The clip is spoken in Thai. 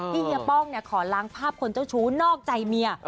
เฮียป้องขอล้างภาพคนเจ้าชู้นอกใจเมีย